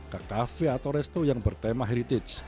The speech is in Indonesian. ke kafe atau resto yang bertema heritage